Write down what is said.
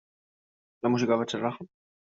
La música de Bach relaja.